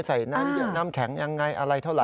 ใส่น้ำแข็งอย่างไรอะไรเท่าไร